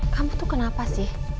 kamu tuh kenapa sih